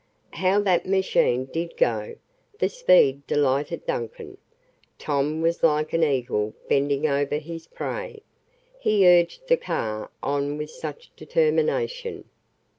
How that machine did go! The speed delighted Duncan. Tom was like an eagle bending over his prey he urged the car on with such determination.